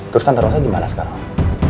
terus tante rosanya gimana sekarang